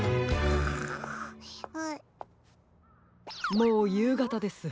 もうゆうがたです。